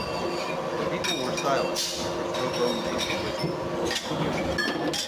The people were silent or spoke only in whispers.